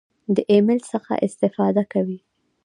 د ایمیل څخه استفاده کوئ؟